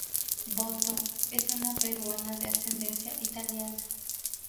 Botto es una peruana de ascendencia italiana.